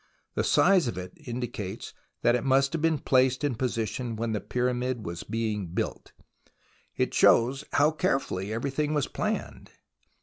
The size of it indicates that it must have been placed in position when the Pyramid was being built. It shows how carefully everything was planned.